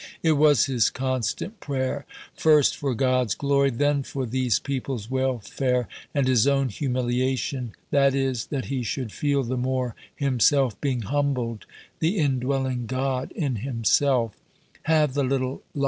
It was his constant prayer first for God's glory, then for these people's welfare, and his own humiliation that is, that he should feel the more, himself being humbled, the indwelling God in himself.